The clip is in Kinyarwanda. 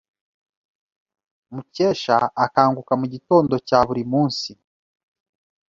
Mukesha akanguka mugitondo cya buri munsi